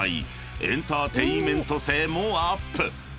［エンターテインメント性もアップ！］